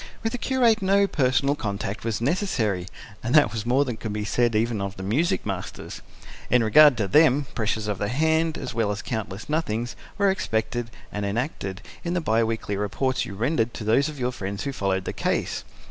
With the curate, no personal contact was necessary and that was more than could be said even of the music masters. In regard to them, pressures of the hand, as well as countless nothings, were expected and enacted, in the bi weekly reports you rendered to those of your friends who followed the case.